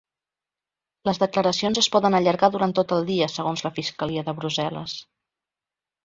Les declaracions es poden allargar durant tot el dia, segons la fiscalia de Brussel·les.